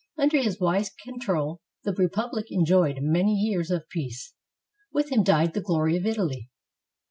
Under his wise control, the republic enjoyed many years of peace. With him died the glory of Italy.